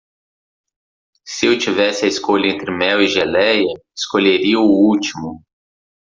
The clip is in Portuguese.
Se eu tivesse a escolha entre mel e geleia, escolheria o último.